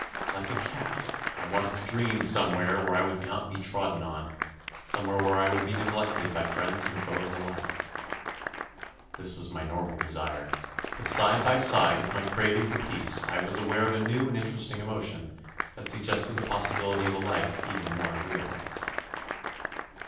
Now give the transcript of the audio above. Like a cat, I wanted to dream somewhere where I would not be trodden on, somewhere where I would be neglected by friends and foes alike. This was my normal desire, but side by side with my craving for peace I was aware of a new and interesting emotion that suggested the possibility of a life even more agreeable.